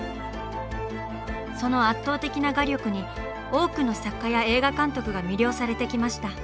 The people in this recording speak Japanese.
その圧倒的な画力に多くの作家や映画監督が魅了されてきました。